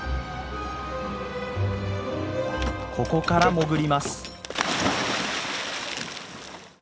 ここから潜ります。